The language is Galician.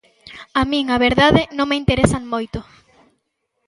A min, a verdade, non me interesan moito.